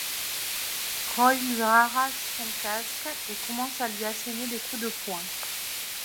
Roy lui arrache son casque et commence à lui assener des coups de poing.